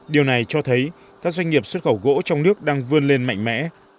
điều này cho thấy các doanh nghiệp xuất khẩu gỗ trong nước đang vươn lên mạnh mẽ